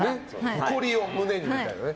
誇りを胸に、みたいなね。